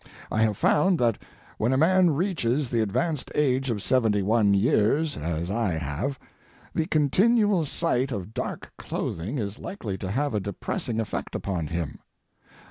I have found that when a man reaches the advanced age of seventy one years, as I have, the continual sight of dark clothing is likely to have a depressing effect upon him.